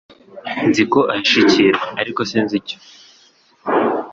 Nzi ko ahishe ikintu, ariko sinzi icyo.